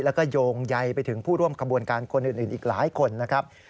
แล้วก็โยงใยไปถึงผู้ร่วมขบวนการคนอื่นอีกหลายคนนะครับ